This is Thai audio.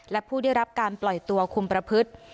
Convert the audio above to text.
และผู้ได้รับการปล่อยตัวคุมประพฤติ